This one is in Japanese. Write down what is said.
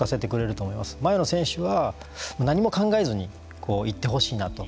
前の選手は何も考えずに行ってほしいなと。